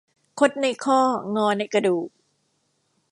คดในข้องอในกระดูก